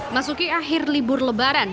masuki akhir libur lebaran